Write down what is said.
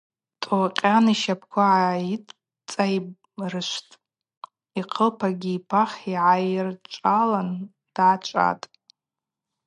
Токъан йщапӏква гӏайыцӏайыртштӏ, йхъылпагьи йпахь йгӏайырчӏвалын дгӏачӏватӏ.